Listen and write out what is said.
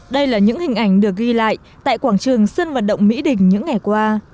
đây là những hình ảnh được ghi lại tại quảng trường sơn vật động mỹ đình những ngày qua